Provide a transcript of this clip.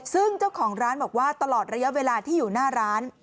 ซึ่งเจ้าของร้านบอกว่าตลอดระยะเวลาที่อยู่หน้าร้าน